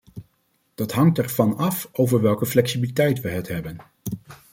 Dat hangt ervan af over welke flexibiliteit we het hebben.